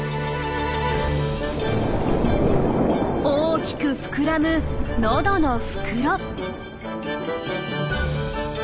大きく膨らむのどの袋。